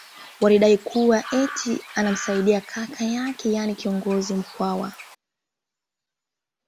Walidai kuwa eti anamsaidi kaka yake yani kiongozi Mkwawa